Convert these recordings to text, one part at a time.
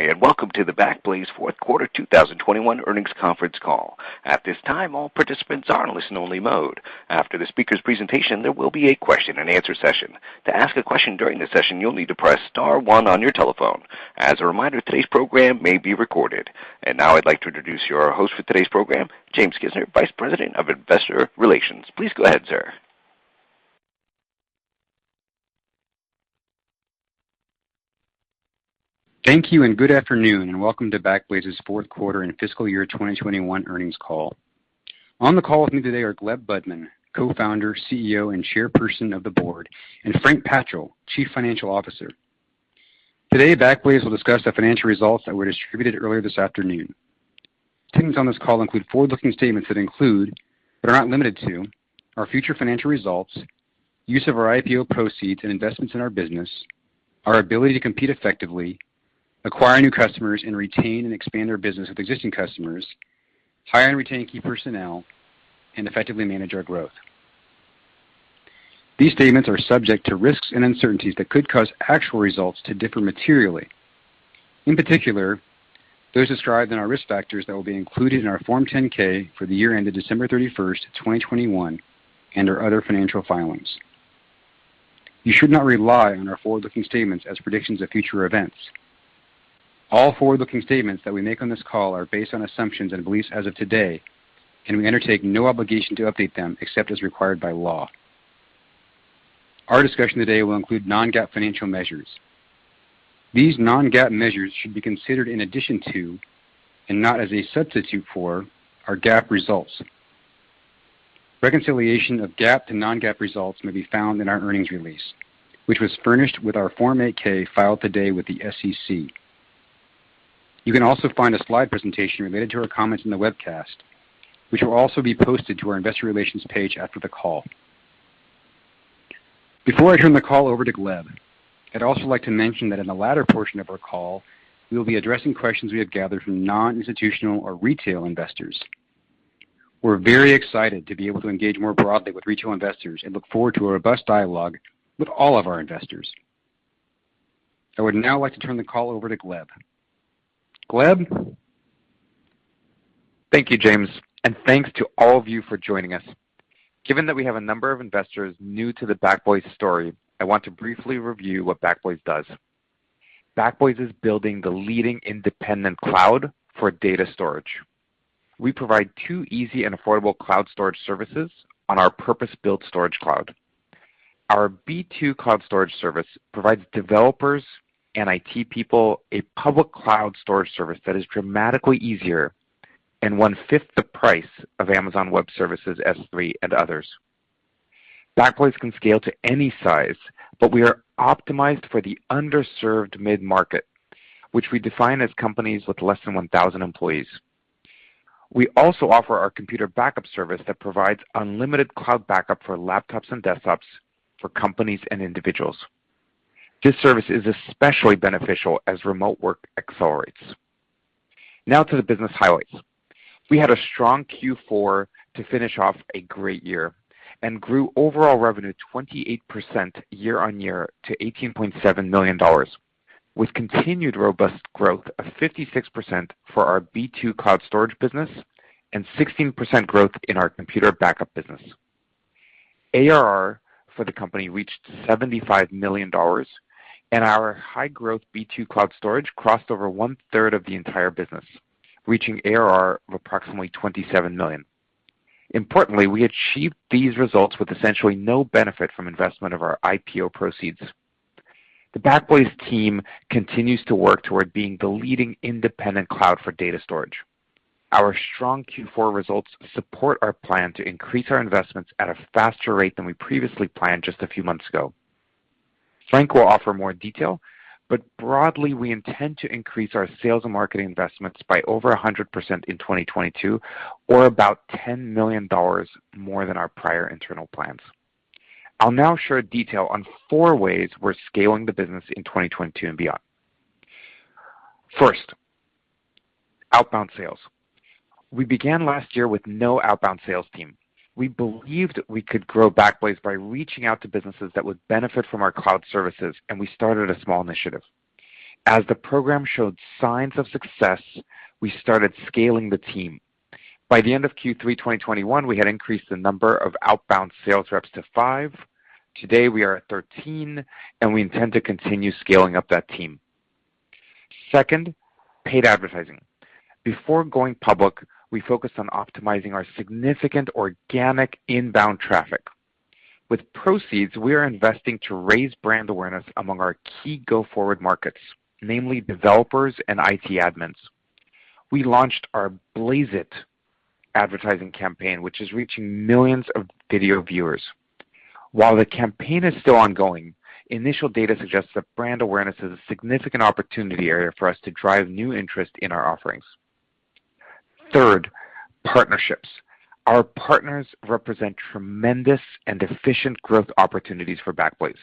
Hi, and welcome to the Backblaze fourth quarter 2021 earnings conference call. At this time, all participants are in listen only mode. After the speaker's presentation, there will be a question-and-answer session. To ask a question during the session, you'll need to press star one on your telephone. As a reminder, today's program may be recorded. Now I'd like to introduce your host for today's program, James Kisner, Vice President of Investor Relations. Please go ahead, sir. Thank you and good afternoon, and welcome to Backblaze's fourth quarter and fiscal year 2021 earnings call. On the call with me today are Gleb Budman, Co-Founder, CEO, and Chairperson of the Board, and Frank Patchel, Chief Financial Officer. Today, Backblaze will discuss the financial results that were distributed earlier this afternoon. Statements on this call include forward-looking statements that include, but are not limited to, our future financial results, use of our IPO proceeds and investments in our business, our ability to compete effectively, acquire new customers, and retain and expand our business with existing customers, hire and retain key personnel, and effectively manage our growth. These statements are subject to risks and uncertainties that could cause actual results to differ materially, in particular, those described in our risk factors that will be included in our Form 10-K for the year ended December 31, 2021, and our other financial filings. You should not rely on our forward-looking statements as predictions of future events. All forward-looking statements that we make on this call are based on assumptions and beliefs as of today, and we undertake no obligation to update them except as required by law. Our discussion today will include non-GAAP financial measures. These non-GAAP measures should be considered in addition to, and not as a substitute for, our GAAP results. Reconciliation of GAAP to non-GAAP results may be found in our earnings release, which was furnished with our Form 8-K filed today with the SEC. You can also find a slide presentation related to our comments in the webcast, which will also be posted to our investor relations page after the call. Before I turn the call over to Gleb, I'd also like to mention that in the latter portion of our call, we will be addressing questions we have gathered from non-institutional or retail investors. We're very excited to be able to engage more broadly with retail investors and look forward to a robust dialogue with all of our investors. I would now like to turn the call over to Gleb. Gleb. Thank you, James, and thanks to all of you for joining us. Given that we have a number of investors new to the Backblaze story, I want to briefly review what Backblaze does. Backblaze is building the leading independent cloud for data storage. We provide two easy and affordable cloud storage services on our purpose-built storage cloud. Our B2 Cloud Storage service provides developers and IT people a public cloud storage service that is dramatically easier and one-fifth the price of Amazon Web Services, S3, and others. Backblaze can scale to any size, but we are optimized for the underserved mid-market, which we define as companies with less than 1,000 employees. We also offer our Computer Backup service that provides unlimited cloud backup for laptops and desktops for companies and individuals. This service is especially beneficial as remote work accelerates. Now to the business highlights. We had a strong Q4 to finish off a great year and grew overall revenue 28% year-on-year to $18.7 million, with continued robust growth of 56% for our B2 Cloud Storage business and 16% growth in our Computer Backup business. ARR for the company reached $75 million and our high growth B2 Cloud Storage crossed over one-third of the entire business, reaching ARR of approximately $27 million. Importantly, we achieved these results with essentially no benefit from investment of our IPO proceeds. The Backblaze team continues to work toward being the leading independent cloud for data storage. Our strong Q4 results support our plan to increase our investments at a faster rate than we previously planned just a few months ago. Frank will offer more detail, but broadly, we intend to increase our sales and marketing investments by over 100% in 2022, or about $10 million more than our prior internal plans. I'll now share detail on four ways we're scaling the business in 2022 and beyond. First, outbound sales. We began last year with no outbound sales team. We believed we could grow Backblaze by reaching out to businesses that would benefit from our cloud services, and we started a small initiative. As the program showed signs of success, we started scaling the team. By the end of Q3 2021, we had increased the number of outbound sales reps to five. Today, we are at 13, and we intend to continue scaling up that team. Second, paid advertising. Before going public, we focused on optimizing our significant organic inbound traffic. With proceeds, we are investing to raise brand awareness among our key go-forward markets, namely developers and IT admins. We launched our Blaze It advertising campaign, which is reaching millions of video viewers. While the campaign is still ongoing, initial data suggests that brand awareness is a significant opportunity area for us to drive new interest in our offerings. Third, partnerships. Our partners represent tremendous and efficient growth opportunities for Backblaze.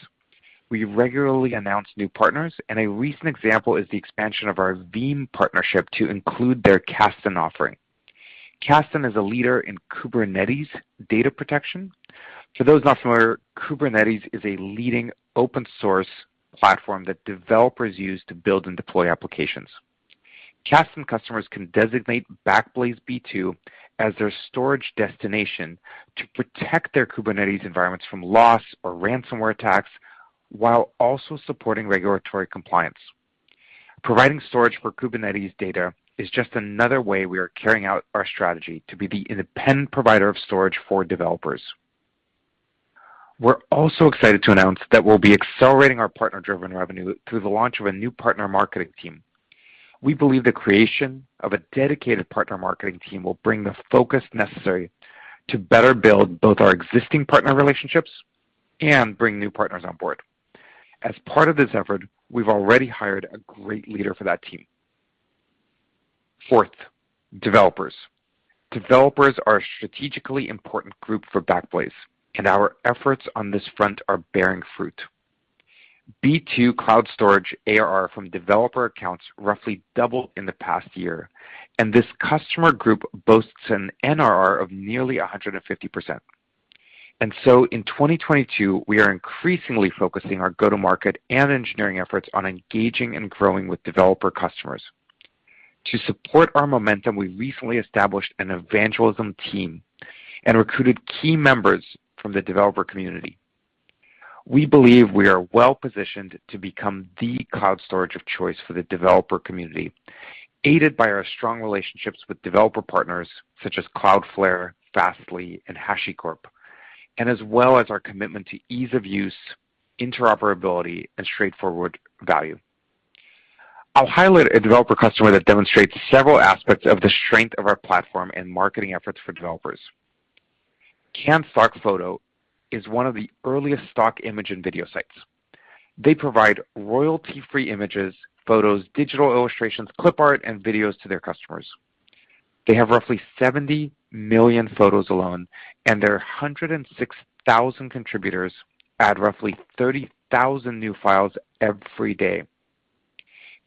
We regularly announce new partners, and a recent example is the expansion of our Veeam partnership to include their Kasten offering. Kasten is a leader in Kubernetes data protection. For those not familiar, Kubernetes is a leading open source platform that developers use to build and deploy applications. Kasten customers can designate Backblaze B2 as their storage destination to protect their Kubernetes environments from loss or ransomware attacks while also supporting regulatory compliance. Providing storage for Kubernetes data is just another way we are carrying out our strategy to be the independent provider of storage for developers. We're also excited to announce that we'll be accelerating our partner-driven revenue through the launch of a new partner marketing team. We believe the creation of a dedicated partner marketing team will bring the focus necessary to better build both our existing partner relationships and bring new partners on board. As part of this effort, we've already hired a great leader for that team. Fourth, developers. Developers are a strategically important group for Backblaze, and our efforts on this front are bearing fruit. B2 Cloud Storage ARR from developer accounts roughly doubled in the past year, and this customer group boasts an NRR of nearly 150%. In 2022, we are increasingly focusing our go-to-market and engineering efforts on engaging and growing with developer customers. To support our momentum, we recently established an evangelism team and recruited key members from the developer community. We believe we are well-positioned to become the cloud storage of choice for the developer community, aided by our strong relationships with developer partners such as Cloudflare, Fastly, and HashiCorp, and as well as our commitment to ease of use, interoperability, and straightforward value. I'll highlight a developer customer that demonstrates several aspects of the strength of our platform and marketing efforts for developers. Can Stock Photo is one of the earliest stock image and video sites. They provide royalty-free images, photos, digital illustrations, clip art, and videos to their customers. They have roughly 70 million photos alone, and their 106,000 contributors add roughly 30,000 new files every day.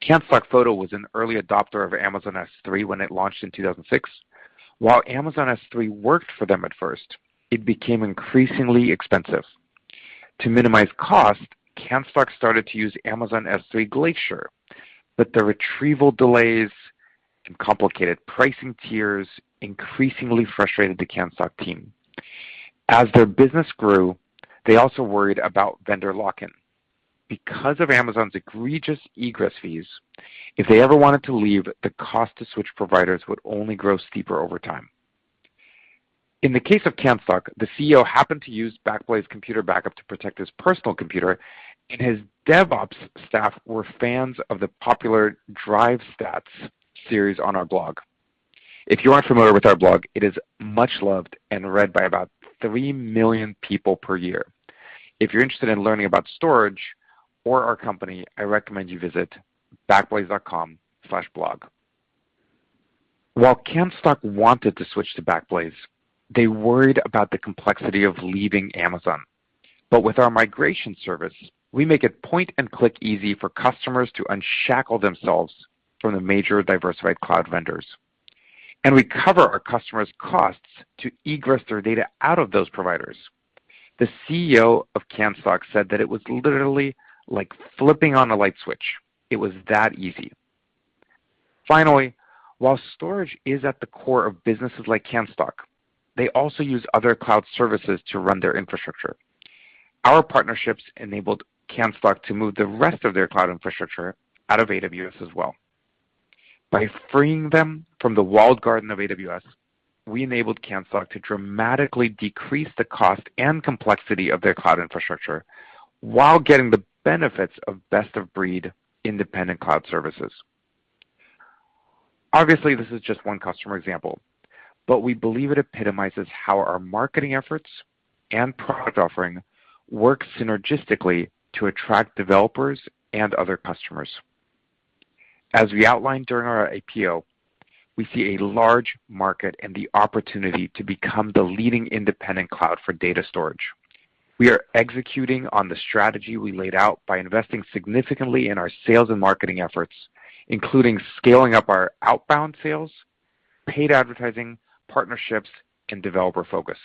Can Stock Photo was an early adopter of Amazon S3 when it launched in 2006. While Amazon S3 worked for them at first, it became increasingly expensive. To minimize cost, Can Stock Photo started to use Amazon S3 Glacier, but the retrieval delays and complicated pricing tiers increasingly frustrated the Can Stock Photo team. As their business grew, they also worried about vendor lock-in. Because of Amazon's egregious egress fees, if they ever wanted to leave, the cost to switch providers would only grow steeper over time. In the case of Can Stock Photo, the CEO happened to use Backblaze Computer Backup to protect his personal computer, and his DevOps staff were fans of the popular Drive Stats series on our blog. If you aren't familiar with our blog, it is much loved and read by about 3 million people per year. If you're interested in learning about storage or our company, I recommend you visit backblaze.com/blog. While Can Stock wanted to switch to Backblaze, they worried about the complexity of leaving Amazon. With our migration service, we make it point-and-click easy for customers to unshackle themselves from the major diversified cloud vendors. We cover our customers' costs to egress their data out of those providers. The CEO of Can Stock said that it was literally like flipping on a light switch. It was that easy. Finally, while storage is at the core of businesses like Can Stock, they also use other cloud services to run their infrastructure. Our partnerships enabled Can Stock to move the rest of their cloud infrastructure out of AWS as well. By freeing them from the walled garden of AWS, we enabled Can Stock to dramatically decrease the cost and complexity of their cloud infrastructure while getting the benefits of best-of-breed independent cloud services. Obviously, this is just one customer example, but we believe it epitomizes how our marketing efforts and product offering work synergistically to attract developers and other customers. As we outlined during our IPO, we see a large market and the opportunity to become the leading independent cloud for data storage. We are executing on the strategy we laid out by investing significantly in our sales and marketing efforts, including scaling up our outbound sales, paid advertising, partnerships, and developer focus.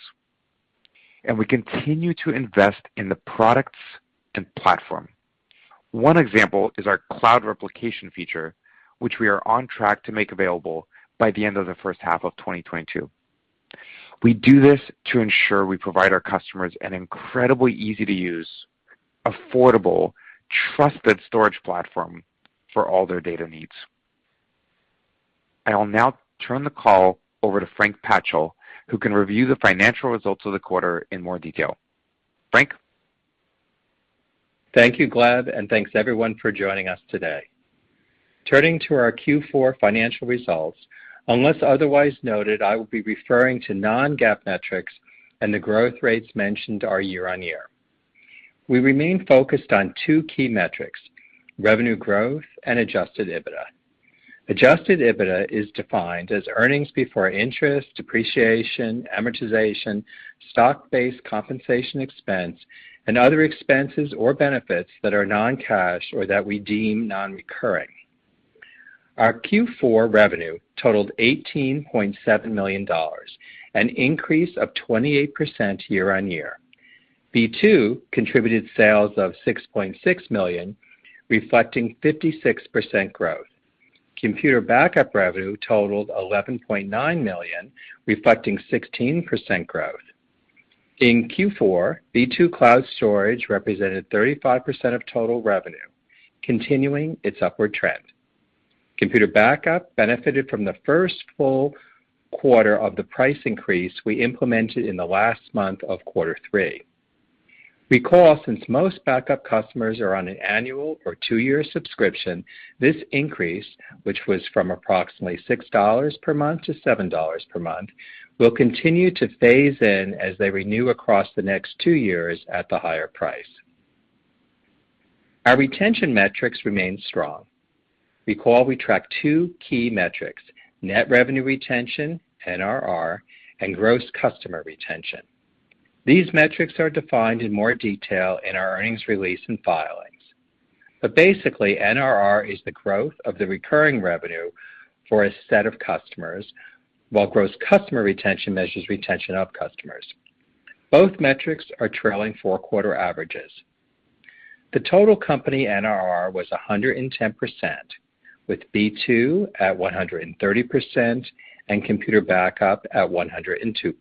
We continue to invest in the products and platform. One example is our Cloud Replication feature, which we are on track to make available by the end of the first half of 2022. We do this to ensure we provide our customers an incredibly easy-to-use, affordable, trusted storage platform for all their data needs. I will now turn the call over to Frank Patchel, who can review the financial results of the quarter in more detail. Frank? Thank you, Gleb, and thanks everyone for joining us today. Turning to our Q4 financial results, unless otherwise noted, I will be referring to non-GAAP metrics and the growth rates mentioned are year-on-year. We remain focused on two key metrics, revenue growth and adjusted EBITDA. Adjusted EBITDA is defined as earnings before interest, depreciation, amortization, stock-based compensation expense, and other expenses or benefits that are non-cash or that we deem non-recurring. Our Q4 revenue totaled $18.7 million, an increase of 28% year-on-year. B2 contributed sales of $6.6 million, reflecting 56% growth. Computer Backup revenue totaled $11.9 million, reflecting 16% growth. In Q4, B2 Cloud Storage represented 35% of total revenue, continuing its upward trend. Computer Backup benefited from the first full quarter of the price increase we implemented in the last month of quarter three. Recall since most backup customers are on an annual or two-year subscription, this increase, which was from approximately $6 per month to $7 per month, will continue to phase in as they renew across the next two years at the higher price. Our retention metrics remain strong. Recall we track two key metrics, net revenue retention, NRR, and gross customer retention. These metrics are defined in more detail in our earnings release and filings. Basically, NRR is the growth of the recurring revenue for a set of customers, while gross customer retention measures retention of customers. Both metrics are trailing four quarter averages. The total company NRR was 110%, with B2 at 130% and Computer Backup at 102%.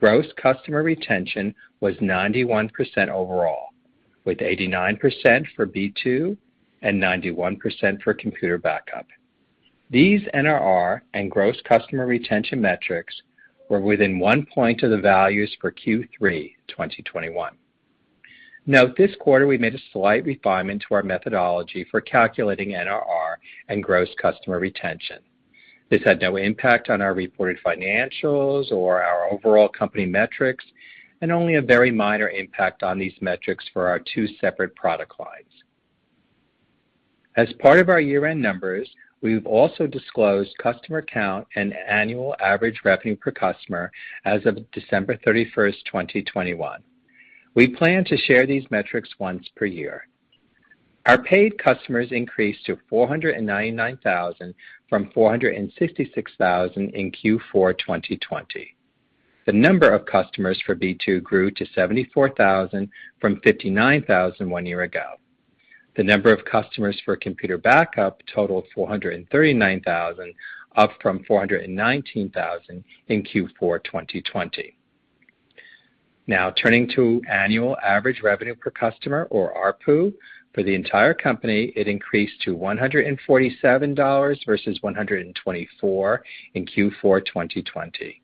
Gross customer retention was 91% overall, with 89% for B2 and 91% for Computer Backup. These NRR and gross customer retention metrics were within one point of the values for Q3 2021. Note this quarter we made a slight refinement to our methodology for calculating NRR and gross customer retention. This had no impact on our reported financials or our overall company metrics, and only a very minor impact on these metrics for our two separate product lines. As part of our year-end numbers, we've also disclosed customer count and annual average revenue per customer as of December 31, 2021. We plan to share these metrics once per year. Our paid customers increased to 499,000 from 466,000 in Q4 2020. The number of customers for B2 grew to 74,000 from 59,000 one year ago. The number of customers for Computer Backup totaled 439,000, up from 419,000 in Q4 2020. Now, turning to annual average revenue per customer or ARPU. For the entire company, it increased to $147 versus $124 in Q4 2020.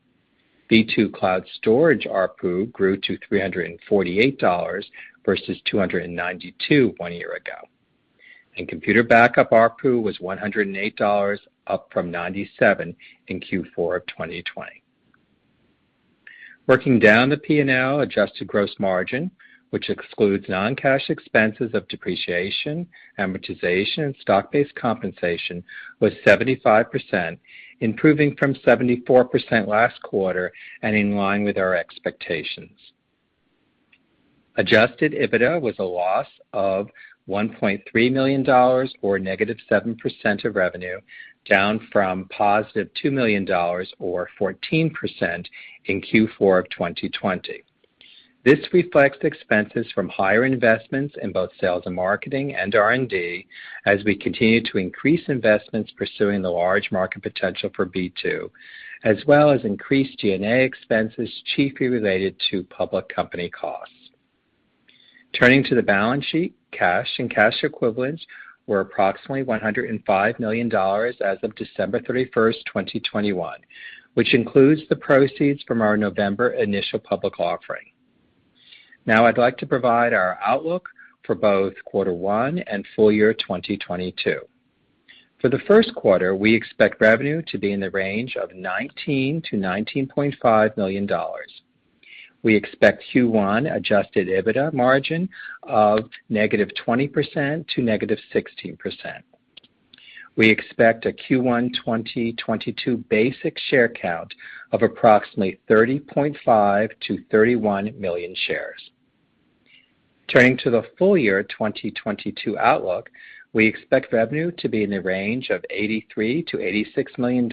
B2 Cloud Storage ARPU grew to $348 versus $292 one year ago. Computer Backup ARPU was $108, up from $97 in Q4 2020. Working down the P&L adjusted gross margin, which excludes non-cash expenses of depreciation, amortization, and stock-based compensation, was 75%, improving from 74% last quarter and in line with our expectations. Adjusted EBITDA was a loss of $1.3 million or -7% of revenue, down from $2 million, or 14% in Q4 of 2020. This reflects expenses from higher investments in both sales and marketing and R&D as we continue to increase investments pursuing the large market potential for B2, as well as increased G&A expenses, chiefly related to public company costs. Turning to the balance sheet, cash and cash equivalents were approximately $105 million as of December 31, 2021, which includes the proceeds from our November initial public offering. Now I'd like to provide our outlook for both quarter one and full year 2022. For the first quarter, we expect revenue to be in the range of $19–$19.5 million. We expect Q1 adjusted EBITDA margin of -20% to -16%. We expect a Q1 2022 basic share count of approximately 30.5–31 million shares. Turning to the full year 2022 outlook, we expect revenue to be in the range of $8–3 million$86 million.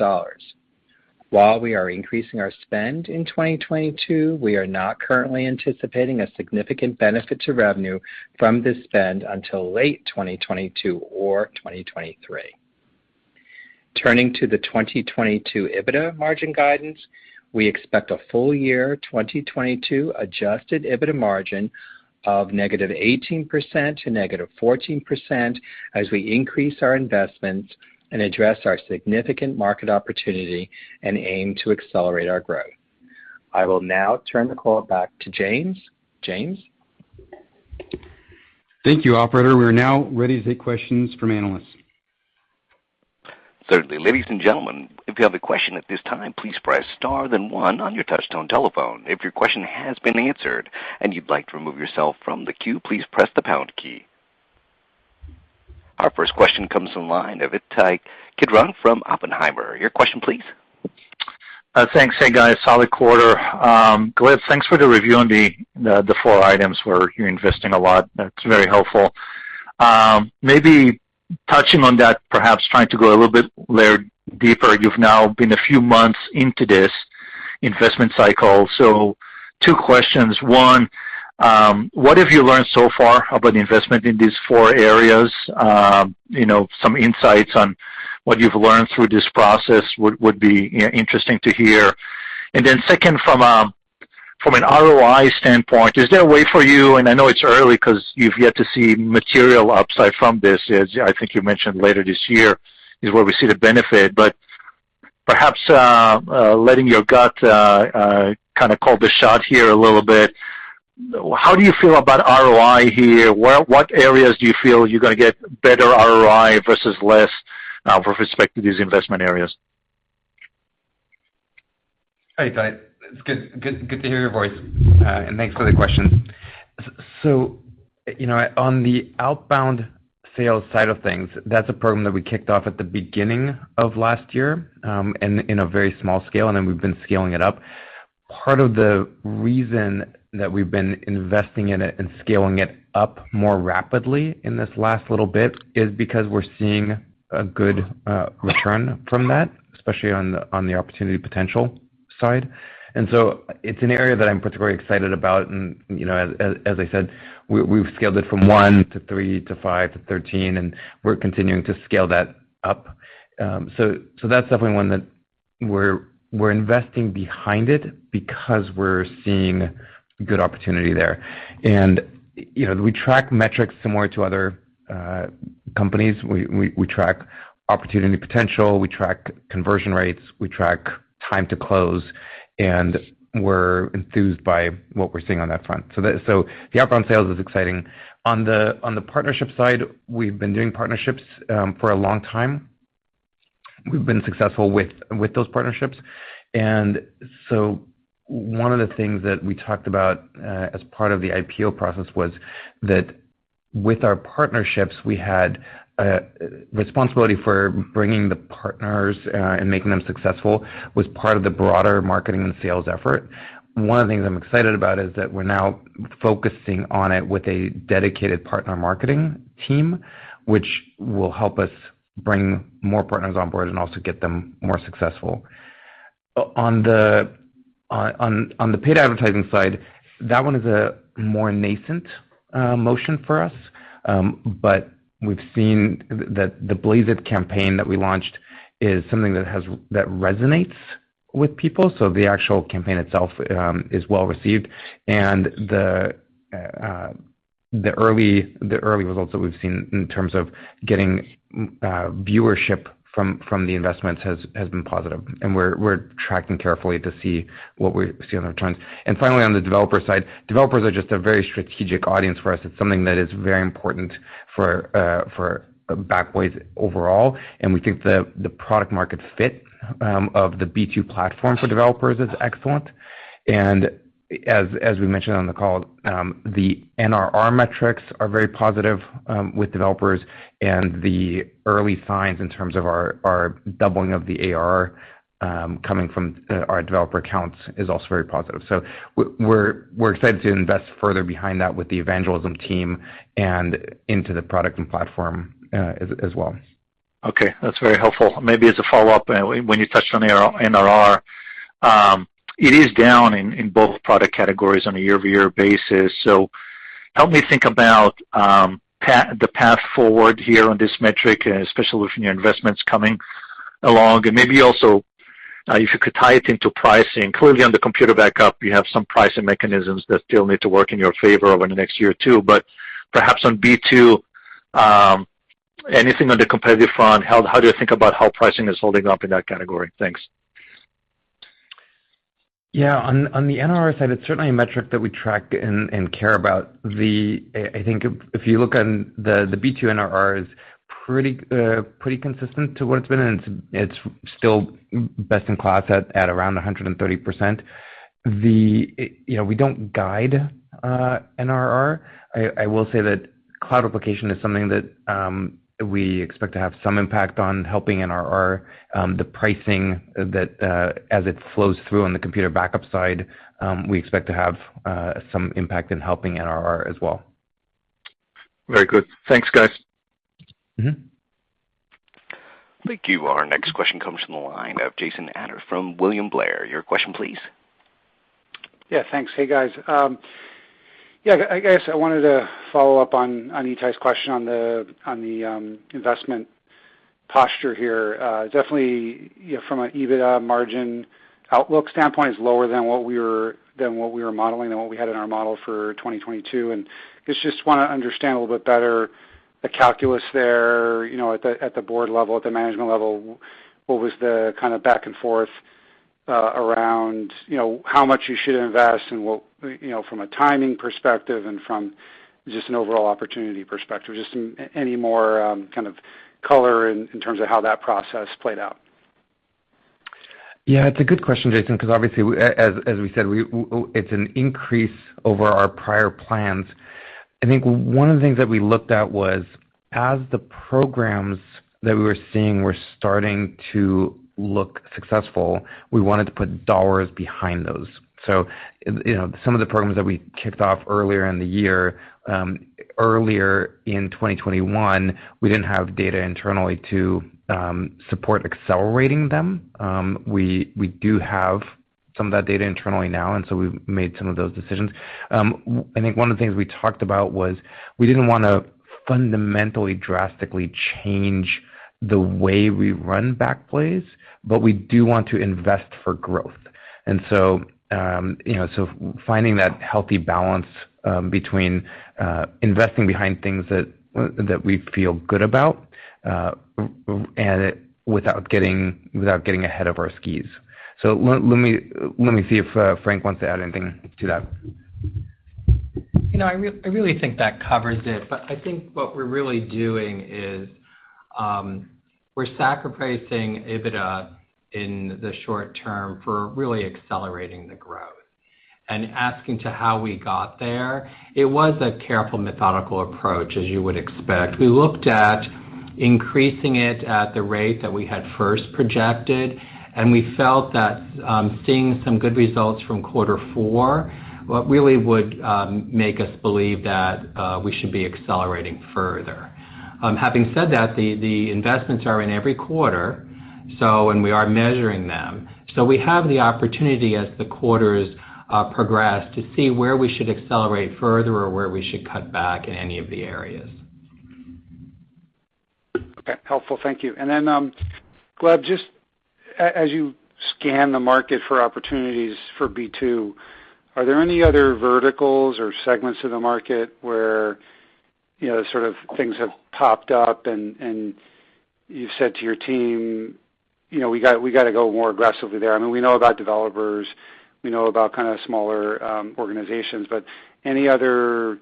While we are increasing our spend in 2022, we are not currently anticipating a significant benefit to revenue from this spend until late 2022 or 2023. Turning to the 2022 EBITDA margin guidance, we expect a full year 2022 adjusted EBITDA margin of -18% to -14% as we increase our investments and address our significant market opportunity and aim to accelerate our growth. I will now turn the call back to James. James? Thank you, operator. We are now ready to take questions from analysts. Certainly. Ladies and gentlemen, if you have a question at this time, please press star then one on your touch-tone telephone. If your question has been answered and you'd like to remove yourself from the queue, please press the pound key. Our first question comes on line of Ittai Kidron from Oppenheimer. Your question please? Thanks. Hey, guys, solid quarter. Gleb, thanks for the review on the four items where you're investing a lot. That's very helpful. Maybe touching on that, perhaps trying to go a little bit layer deeper. You've now been a few months into this investment cycle. Two questions. One, what have you learned so far about investment in these four areas? You know, some insights on what you've learned through this process would be interesting to hear. Then second, from an ROI standpoint, is there a way for you, and I know it's early 'cause you've yet to see material upside from this, I think you mentioned later this year is where we see the benefit. Perhaps, letting your gut kind of call the shot here a little bit, how do you feel about ROI here? What areas do you feel you're going to get better ROI versus less, with respect to these investment areas? Hey, Ittai. It's good to hear your voice, and thanks for the question. So, you know, on the outbound sales side of things, that's a program that we kicked off at the beginning of last year, and in a very small scale, and then we've been scaling it up. Part of the reason that we've been investing in it and scaling it up more rapidly in this last little bit is because we're seeing a good return from that, especially on the opportunity potential side. It's an area that I'm particularly excited about. You know, as I said, we've scaled it from 1 to 3 to 5 to 13, and we're continuing to scale that up. So that's definitely one that we're investing behind it because we're seeing good opportunity there. You know, we track metrics similar to other companies. We track opportunity potential, we track conversion rates, we track time to close, and we're enthused by what we're seeing on that front. The outbound sales is exciting. On the partnership side, we've been doing partnerships for a long time. We've been successful with those partnerships. One of the things that we talked about as part of the IPO process was that with our partnerships, we had responsibility for bringing the partners and making them successful, was part of the broader marketing and sales effort. One of the things I'm excited about is that we're now focusing on it with a dedicated partner marketing team, which will help us bring more partners on board and also get them more successful. On the paid advertising side, that one is a more nascent motion for us. But we've seen that the Blaze It campaign that we launched is something that resonates with people. The actual campaign itself is well received. The early results that we've seen in terms of getting viewership from the investments has been positive, and we're tracking carefully to see what we see on the trends. Finally, on the developer side, developers are just a very strategic audience for us. It's something that is very important for Backblaze overall. We think the product market fit of the B2 platform for developers is excellent. As we mentioned on the call, the NRR metrics are very positive with developers and the early signs in terms of our doubling of the ARR coming from our developer accounts is also very positive. We're excited to invest further behind that with the evangelism team and into the product and platform, as well. Okay, that's very helpful. Maybe as a follow-up, when you touched on the NRR, it is down in both product categories on a year-over-year basis. Help me think about the path forward here on this metric, especially with new investments coming along. Maybe also, if you could tie it into pricing. Clearly, on the Computer Backup, you have some pricing mechanisms that still need to work in your favor over the next year or two. Perhaps on B2, anything on the competitive front, how do you think about how pricing is holding up in that category? Thanks. Yeah. On the NRR side, it's certainly a metric that we track and care about. I think if you look on the B2 NRR is pretty consistent to what it's been, and it's still best in class at around 130%. You know, we don't guide NRR. I will say that Cloud Replication is something that we expect to have some impact on helping NRR. The pricing that as it flows through on the Computer Backup side, we expect to have some impact in helping NRR as well. Very good. Thanks, guys. Mm-hmm. Thank you. Our next question comes from the line of Jason Ader from William Blair. Your question please. Yeah, thanks. Hey, guys. I guess I wanted to follow up on Ittai's question on the investment posture here. Definitely, you know, from a EBITDA margin outlook standpoint is lower than what we were modeling and what we had in our model for 2022. I guess, just want to understand a little bit better the calculus there, you know, at the board level, at the management level. What was the kind of back and forth around, you know, how much you should invest and what, you know, from a timing perspective and from just an overall opportunity perspective? Just any more kind of color in terms of how that process played out. Yeah, it's a good question, Jason, 'cause obviously, as we said, it's an increase over our prior plans. I think one of the things that we looked at was as the programs that we were seeing were starting to look successful, we wanted to put dollars behind those. You know, some of the programs that we kicked off earlier in the year, earlier in 2021, we didn't have data internally to support accelerating them. We do have some of that data internally now, and so we've made some of those decisions. I think one of the things we talked about was we didn't want to fundamentally drastically change the way we run Backblaze, but we do want to invest for growth. You know, finding that healthy balance between investing behind things that we feel good about and without getting ahead of our skis. Let me see if Frank wants to add anything to that. You know, I really think that covers it. I think what we're really doing is, we're sacrificing EBITDA in the short term for really accelerating the growth. As to how we got there, it was a careful, methodical approach, as you would expect. We looked at increasing it at the rate that we had first projected, and we felt that, seeing some good results from quarter four really would, make us believe that, we should be accelerating further. Having said that, the investments are in every quarter, and we are measuring them. We have the opportunity as the quarters progress to see where we should accelerate further or where we should cut back in any of the areas. Okay. Helpful. Thank you. Then, Gleb, just as you scan the market for opportunities for B2, are there any other verticals or segments of the market where, you know, sort of things have popped up and you've said to your team, "You know, we got, we gotta go more aggressively there"? I mean, we know about developers. We know about kind of smaller organizations. Any other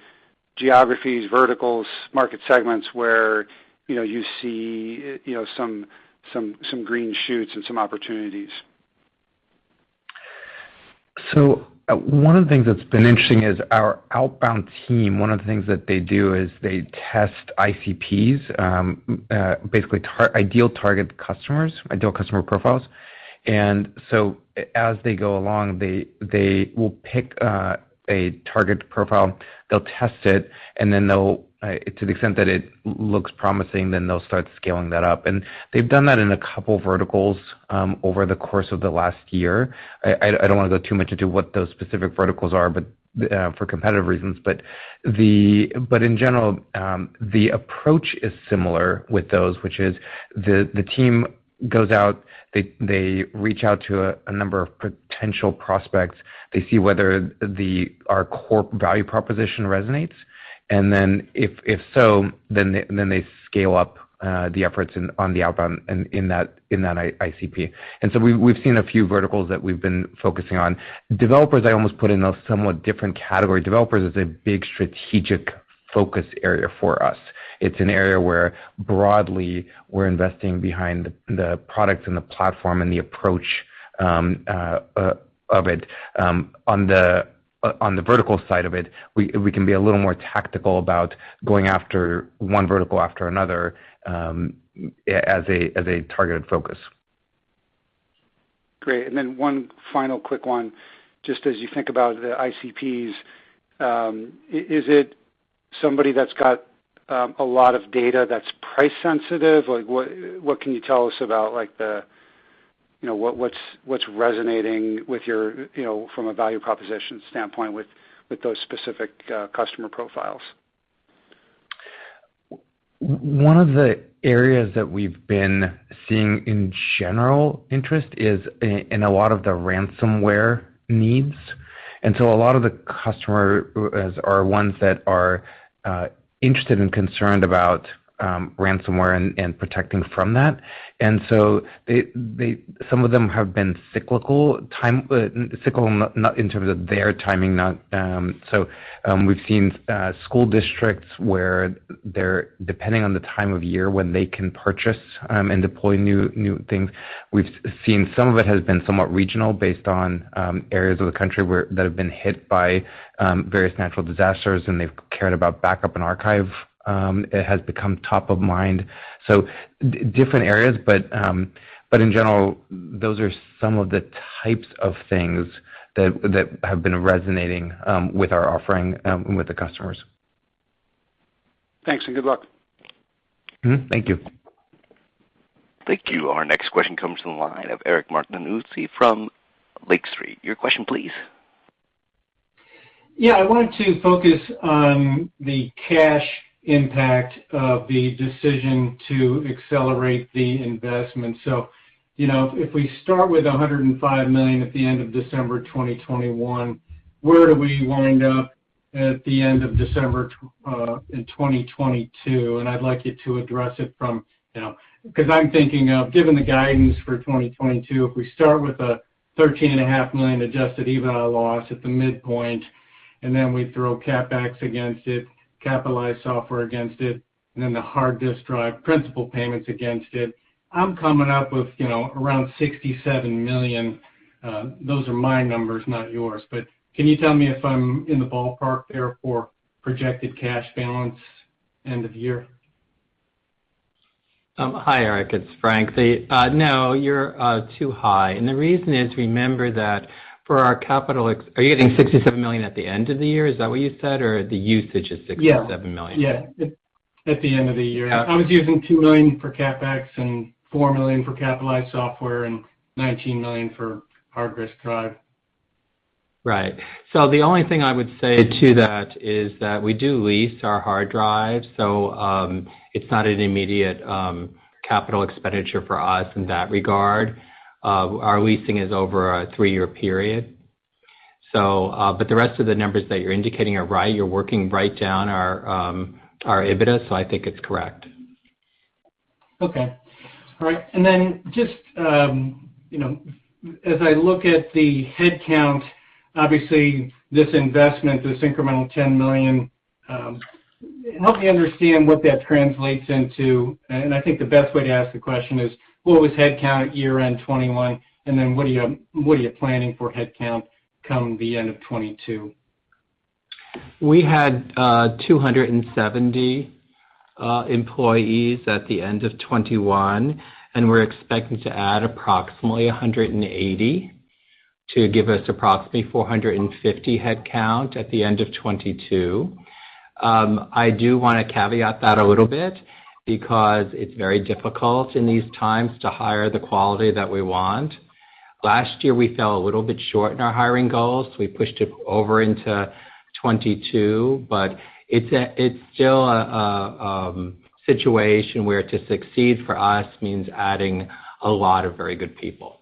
geographies, verticals, market segments where, you know, you see, you know, some green shoots and some opportunities? One of the things that's been interesting is our outbound team. One of the things that they do is they test ICPs, basically ideal target customers, ideal customer profiles. As they go along, they will pick a target profile. They'll test it, and then to the extent that it looks promising, they'll start scaling that up. They've done that in a couple verticals over the course of the last year. I don't want to go too much into what those specific verticals are, but for competitive reasons. In general, the approach is similar with those, which is the team goes out. They reach out to a number of potential prospects. They see whether our core value proposition resonates. If so, they scale up the efforts on the outbound in that ICP. We've seen a few verticals that we've been focusing on. Developers, I almost put in a somewhat different category. Developers is a big strategic focus area for us. It's an area where broadly we're investing behind the products and the platform and the approach of it. On the vertical side of it, we can be a little more tactical about going after one vertical after another as a targeted focus. Great. One final quick one. Just as you think about the ICPs, is it somebody that's got a lot of data that's price sensitive? Like, what can you tell us about, like, the, you know, what's resonating with your, you know, from a value proposition standpoint with those specific customer profiles? One of the areas that we've been seeing in general interest is in a lot of the ransomware needs. A lot of the customers are ones that are interested and concerned about ransomware and protecting from that. Some of them have been cyclical, not in terms of their timing. We've seen school districts where they're depending on the time of year when they can purchase and deploy new things. We've seen some of it has been somewhat regional based on areas of the country where they have been hit by various natural disasters, and they've cared about backup and archive. It has become top of mind. Different areas, but in general, those are some of the types of things that have been resonating with our offering with the customers. Thanks, and good luck. Mm-hmm. Thank you. Thank you. Our next question comes from the line of Eric Martinuzzi from Lake Street. Your question, please. Yeah. I wanted to focus on the cash impact of the decision to accelerate the investment. You know, if we start with $105 million at the end of December 2021, where do we wind up at the end of December 2022? I'd like you to address it from, you know. 'Cause I'm thinking of, given the guidance for 2022, if we start with a $13.5 million adjusted EBITDA loss at the midpoint, and then we throw CapEx against it, capitalized software against it, and then the hard disk drive principal payments against it, I'm coming up with, you know, around $67 million. Those are my numbers, not yours. Can you tell me if I'm in the ballpark there for projected cash balance end of year? Hi, Eric, it's Frank. No, you're too high. The reason is, remember that for our CapEx. Are you getting $67 million at the end of the year? Is that what you said? Or the usage is $67 million? Yeah. At the end of the year. Yeah. I was using $2 million for CapEx and $4 million for capitalized software and $19 million for hard disk drive. Right. The only thing I would say to that is that we do lease our hard drives, so it's not an immediate capital expenditure for us in that regard. Our leasing is over a three-year period. The rest of the numbers that you're indicating are right. You're working right down our EBITDA, so I think it's correct. Okay. All right. Just, you know, as I look at the headcount, obviously this investment, this incremental $10 million, help me understand what that translates into. I think the best way to ask the question is, what was headcount at year-end 2021? What are you planning for headcount come the end of 2022? We had 270 employees at the end of 2021, and we're expecting to add approximately 180 to give us approximately 450 headcount at the end of 2022. I do want to caveat that a little bit because it's very difficult in these times to hire the quality that we want. Last year, we fell a little bit short in our hiring goals. We pushed it over into 2022. It's still a situation where to succeed for us means adding a lot of very good people.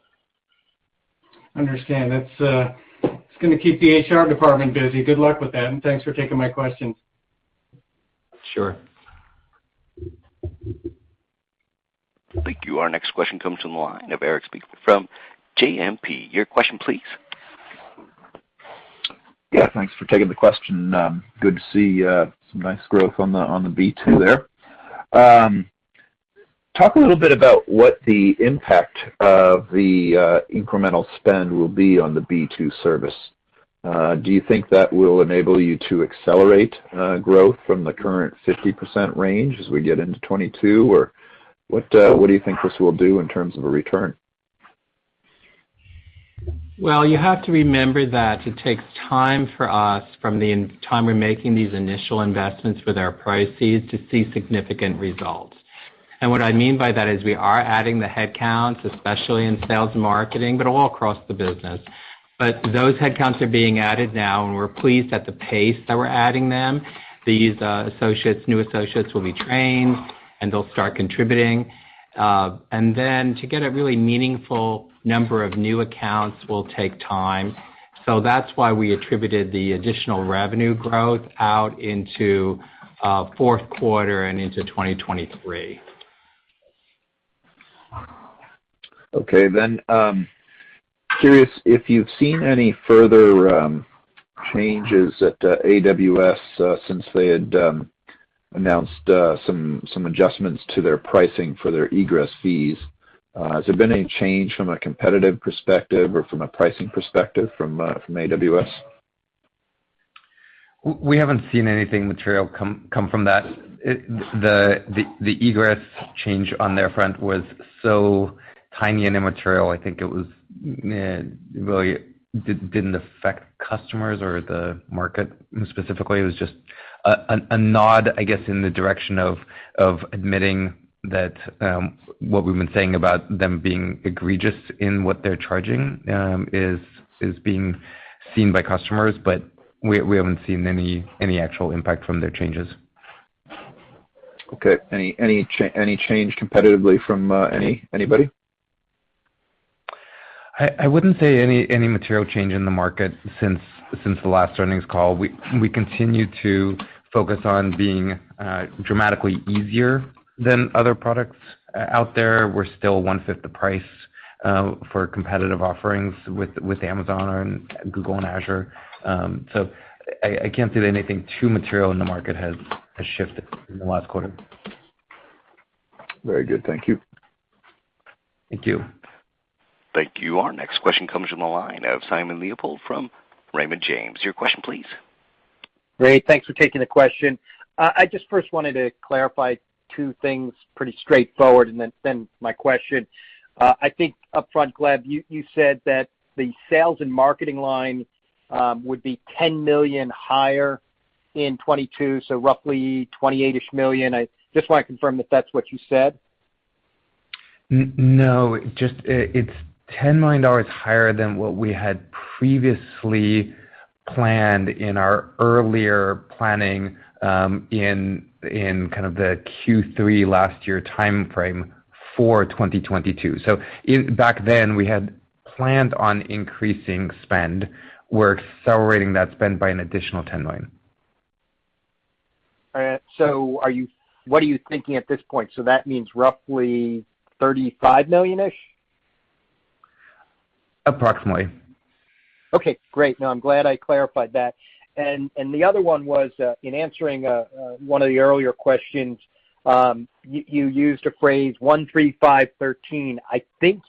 Understand. That's, it's going to keep the HR department busy. Good luck with that, and thanks for taking my questions. Sure. Thank you. Our next question comes from the line of Erik Suppiger from JMP. Your question please. Yeah, thanks for taking the question. Good to see some nice growth on the B2 there. Talk a little bit about what the impact of the incremental spend will be on the B2 service. Do you think that will enable you to accelerate growth from the current 50% range as we get into 2022? Or what do you think this will do in terms of a return? Well, you have to remember that it takes time for us from the time we're making these initial investments with our proceeds to see significant results. What I mean by that is we are adding the headcount, especially in sales and marketing, but all across the business. Those headcounts are being added now, and we're pleased at the pace that we're adding them. These new associates will be trained, and they'll start contributing. To get a really meaningful number of new accounts will take time. That's why we attributed the additional revenue growth out into fourth quarter and into 2023. Okay. Curious if you've seen any further changes at AWS since they had announced some adjustments to their pricing for their egress fees. Has there been any change from a competitive perspective or from a pricing perspective from AWS? We haven't seen anything material come from that. The egress change on their front was so tiny and immaterial, I think it was really didn't affect customers or the market specifically. It was just a nod, I guess, in the direction of admitting that what we've been saying about them being egregious in what they're charging is being seen by customers. But we haven't seen any actual impact from their changes. Okay. Any change competitively from anybody? I wouldn't say any material change in the market since the last earnings call. We continue to focus on being dramatically easier than other products out there. We're still one-fifth the price for competitive offerings with Amazon and Google and Azure. I can't say anything too material in the market has shifted in the last quarter. Very good. Thank you. Thank you. Thank you. Our next question comes from the line of Simon Leopold from Raymond James. Your question please. Great. Thanks for taking the question. I just first wanted to clarify two things pretty straightforward and then my question. I think upfront, Gleb, you said that the sales and marketing line would be $10 million higher in 2022, so roughly $28 million. I just want to confirm if that's what you said. No, just, it's $10 million higher than what we had previously planned in our earlier planning, in kind of the Q3 last year timeframe for 2022. Back then, we had planned on increasing spend. We're accelerating that spend by an additional $10 million. All right. What are you thinking at this point? That means roughly $35 million-ish? Approximately. Okay, great. No, I'm glad I clarified that. The other one was in answering one of the earlier questions, you used a phrase 1-3-5-13. I think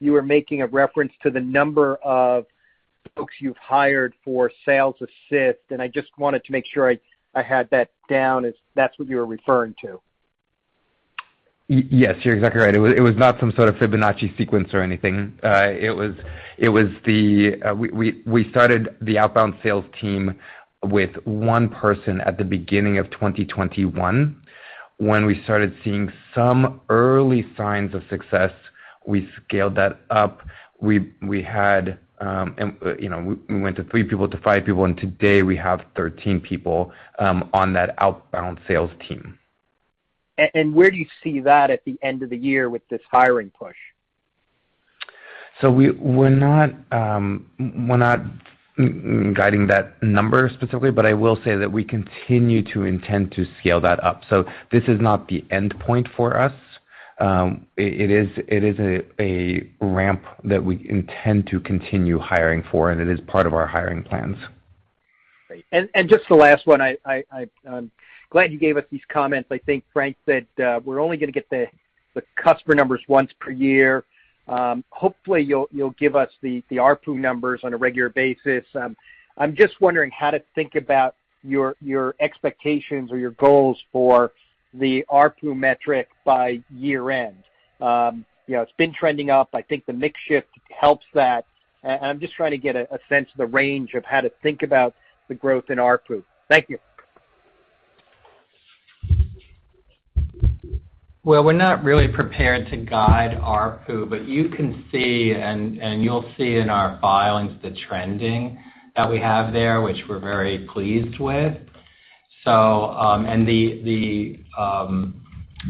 you were making a reference to the number of folks you've hired for sales assist, and I just wanted to make sure I had that down as that's what you were referring to. Yes, you're exactly right. It was not some sort of Fibonacci sequence or anything. We started the outbound sales team with one person at the beginning of 2021. When we started seeing some early signs of success, we scaled that up. We had, and you know, we went to three people to five people, and today we have 13 people on that outbound sales team. Where do you see that at the end of the year with this hiring push? We're not guiding that number specifically, but I will say that we continue to intend to scale that up. This is not the endpoint for us. It is a ramp that we intend to continue hiring for, and it is part of our hiring plans. Great. Just the last one. I'm glad you gave us these comments. I think, Frank, that we're only going to get the customer numbers once per year. Hopefully you'll give us the ARPU numbers on a regular basis. I'm just wondering how to think about your expectations or your goals for the ARPU metric by year-end. You know, it's been trending up. I think the mix shift helps that. I'm just trying to get a sense of the range of how to think about the growth in ARPU. Thank you. Well, we're not really prepared to guide ARPU, but you can see and you'll see in our filings the trending that we have there, which we're very pleased with. The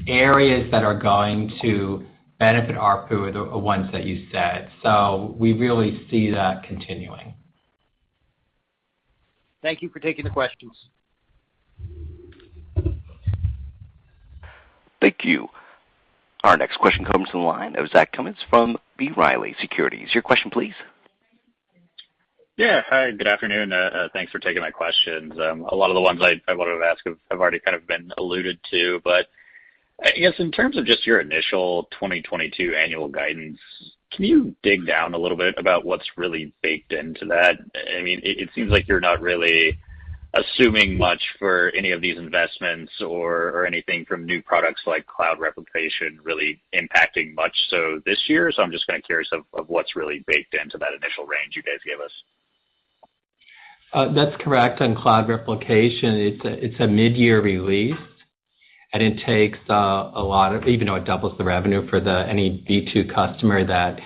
areas that are going to benefit ARPU are the ones that you said. We really see that continuing. Thank you for taking the questions. Thank you. Our next question comes from the line of Zach Cummins from B. Riley Securities. Your question, please. Yeah. Hi, good afternoon. Thanks for taking my questions. A lot of the ones I wanted to ask have already kind of been alluded to. I guess in terms of just your initial 2022 annual guidance, can you dig down a little bit about what's really baked into that? I mean, it seems like you're not really assuming much for any of these investments or anything from new products like Cloud Replication really impacting much so this year. I'm just kind of curious of what's really baked into that initial range you guys gave us. That's correct. On Cloud Replication, it's a mid-year release, and it takes a lot of even though it doubles the revenue for any B2 customer that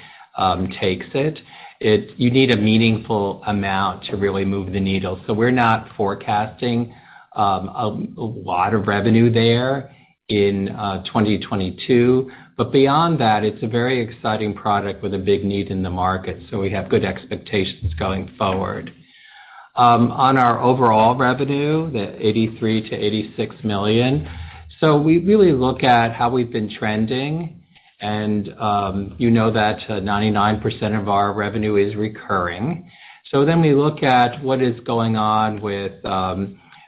takes it. You need a meaningful amount to really move the needle. We're not forecasting a lot of revenue there in 2022. Beyond that, it's a very exciting product with a big need in the market, so we have good expectations going forward. On our overall revenue, the $83 million–$86 million, so we really look at how we've been trending. You know that 99% of our revenue is recurring. We look at what is going on with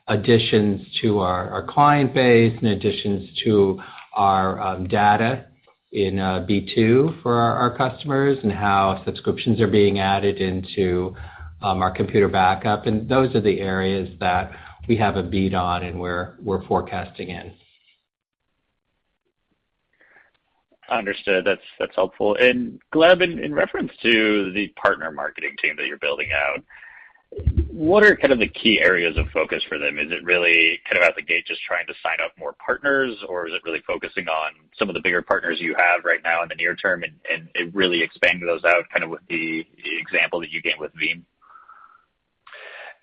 additions to our client base and additions to our data in B2 for our customers and how subscriptions are being added into our Computer Backup. Those are the areas that we have a bead on and we're forecasting in. Understood. That's helpful. Gleb, in reference to the partner marketing team that you're building out, what are kind of the key areas of focus for them? Is it really kind of out the gate, just trying to sign up more partners, or is it really focusing on some of the bigger partners you have right now in the near term and really expanding those out kind of with the example that you gave with Veeam?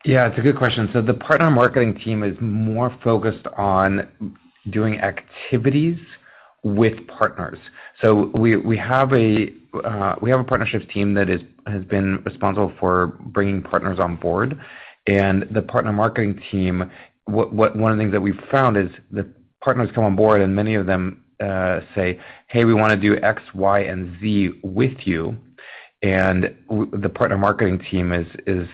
Yeah, it's a good question. The partner marketing team is more focused on doing activities with partners. We have a partnerships team that has been responsible for bringing partners on board. The partner marketing team, one of the things that we've found is that partners come on board and many of them say, "Hey, we want to do X, Y, and Z with you." The partner marketing team is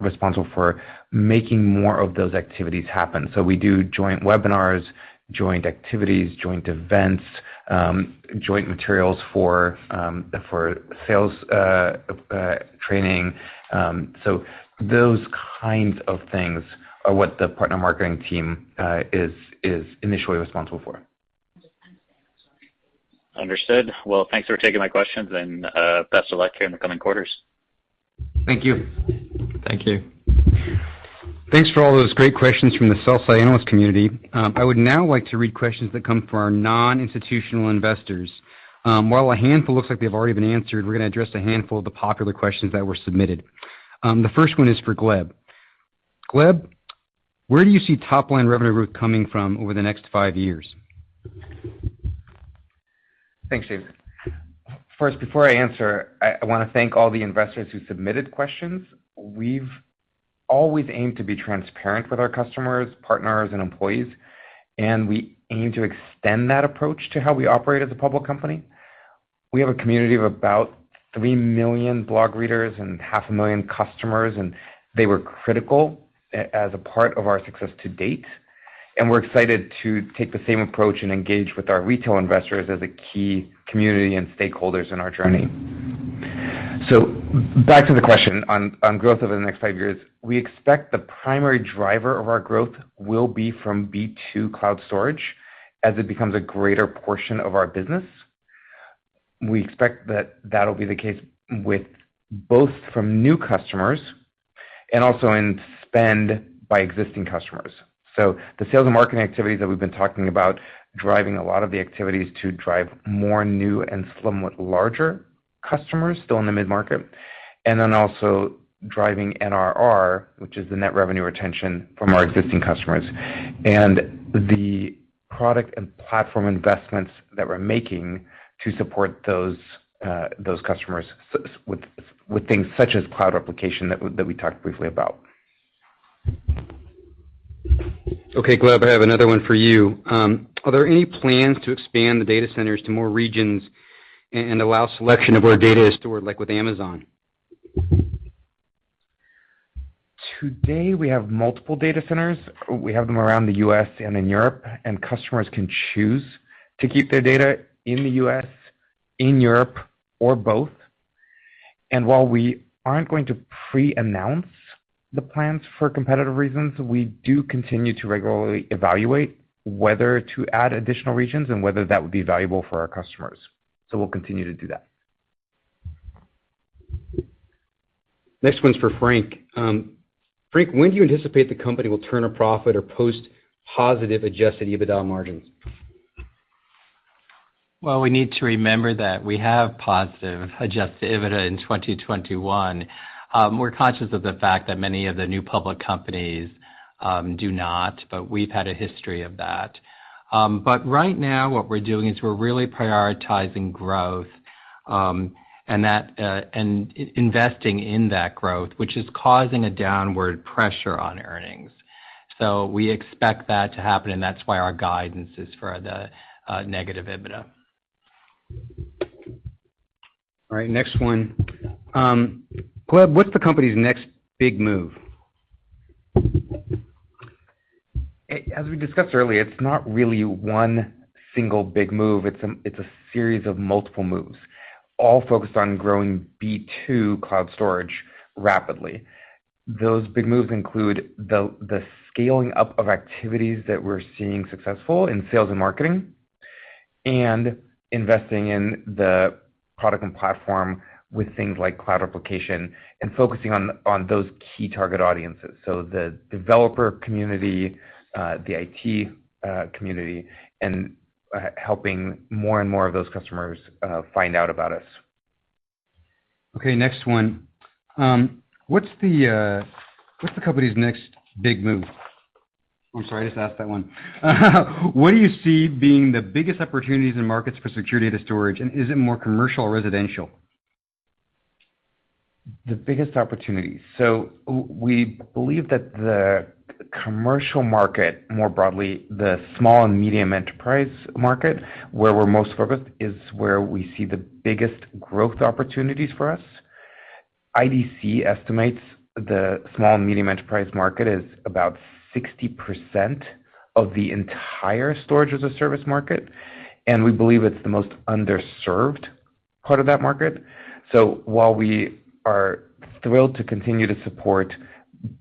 responsible for making more of those activities happen. We do joint webinars, joint activities, joint events, joint materials for sales training. Those kinds of things are what the partner marketing team is initially responsible for. Understood. Well, thanks for taking my questions and best of luck here in the coming quarters. Thank you. Thank you. Thanks for all those great questions from the sell-side analyst community. I would now like to read questions that come from our non-institutional investors. While a handful looks like they've already been answered, we're going to address a handful of the popular questions that were submitted. The first one is for Gleb. Gleb, where do you see top-line revenue growth coming from over the next five years? Thanks, James Kisner. First, before I answer, I want to thank all the investors who submitted questions. We've always aim to be transparent with our customers, partners, and employees, and we aim to extend that approach to how we operate as a public company. We have a community of about 3 million blog readers and half a million customers, and they were critical as a part of our success to date. We're excited to take the same approach and engage with our retail investors as a key community and stakeholders in our journey. Back to the question on growth over the next 5 years. We expect the primary driver of our growth will be from B2 Cloud Storage as it becomes a greater portion of our business. We expect that that'll be the case with both from new customers and also in spend by existing customers. The sales and marketing activities that we've been talking about driving a lot of the activities to drive more new and somewhat larger customers still in the mid-market, and then also driving NRR, which is the net revenue retention from our existing customers. The product and platform investments that we're making to support those customers with things such as Cloud Replication that we talked briefly about. Okay, Gleb, I have another one for you. Are there any plans to expand the data centers to more regions and allow selection of where data is stored, like with Amazon? Today, we have multiple data centers. We have them around the U.S. and in Europe, and customers can choose to keep their data in the U.S., in Europe, or both. While we aren't going to pre-announce the plans for competitive reasons, we do continue to regularly evaluate whether to add additional regions and whether that would be valuable for our customers. We'll continue to do that. Next one's for Frank. Frank, when do you anticipate the company will turn a profit or post positive adjusted EBITDA margins? Well, we need to remember that we have positive adjusted EBITDA in 2021. We're conscious of the fact that many of the new public companies do not, but we've had a history of that. But right now what we're doing is we're really prioritizing growth and investing in that growth, which is causing a downward pressure on earnings. We expect that to happen, and that's why our guidance is for the negative EBITDA. All right, next one. Gleb, what's the company's next big move? As we discussed earlier, it's not really one single big move. It's a series of multiple moves, all focused on growing B2 Cloud Storage rapidly. Those big moves include the scaling up of activities that we're seeing success in sales and marketing and investing in the product and platform with things like Cloud Replication and focusing on those key target audiences. The developer community, the IT community, and helping more and more of those customers find out about us. Okay, next one. What's the company's next big move? I'm sorry, I just asked that one. What do you see being the biggest opportunities in markets for secure data storage, and is it more commercial or residential? The biggest opportunity. We believe that the commercial market, more broadly, the small and medium enterprise market, where we're most focused, is where we see the biggest growth opportunities for us. IDC estimates the small and medium enterprise market is about 60% of the entire storage as a service market, and we believe it's the most underserved part of that market. While we are thrilled to continue to support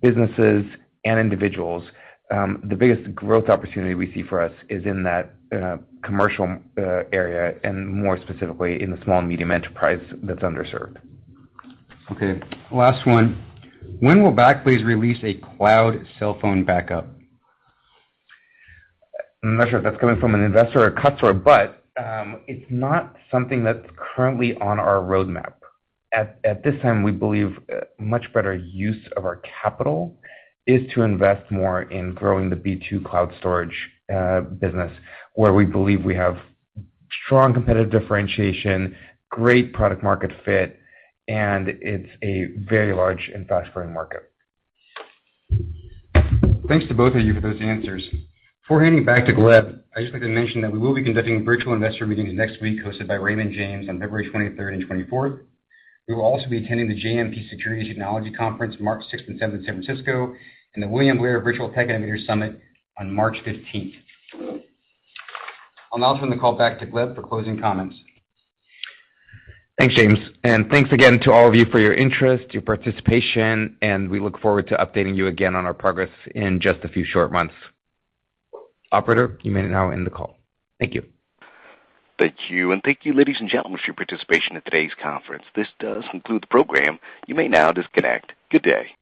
businesses and individuals, the biggest growth opportunity we see for us is in that commercial area and more specifically in the small and medium enterprise that's underserved. Okay, last one. When will Backblaze release a cloud cell phone backup? I'm not sure if that's coming from an investor or customer, but it's not something that's currently on our roadmap. At this time, we believe a much better use of our capital is to invest more in growing the B2 Cloud Storage business, where we believe we have strong competitive differentiation, great product market fit, and it's a very large and fast-growing market. Thanks to both of you for those answers. Before handing back to Gleb, I just like to mention that we will be conducting virtual investor meetings next week, hosted by Raymond James on February 23 and 24. We will also be attending the JMP Securities Technology Conference March 6 and 7 in San Francisco and the William Blair Virtual Tech Investor Summit on March 15. I'll now turn the call back to Gleb for closing comments. Thanks, James. Thanks again to all of you for your interest, your participation, and we look forward to updating you again on our progress in just a few short months. Operator, you may now end the call. Thank you. Thank you. Thank you, ladies and gentlemen, for your participation in today's conference. This does conclude the program. You may now disconnect. Good day.